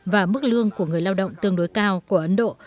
và mức lương của người lao động tương đối cao của ấn độ